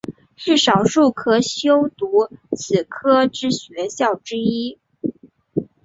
是少数可修读此科之学校之一。